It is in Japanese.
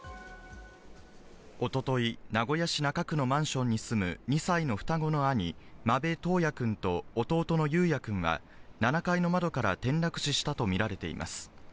おととい、名古屋市中区のマンションに住む２歳の双子の兄、間部登也くんと、弟の雄也くんは、７階の窓から転落死したと見られています。